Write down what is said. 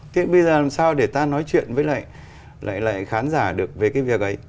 thế bây giờ làm sao để ta nói chuyện với lại khán giả được về cái việc ấy